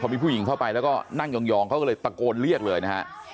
มีผู้หญิงเข้าไปแล้วก็นั่งยองเขาก็เลยตะโกนเรียกเลยนะฮะ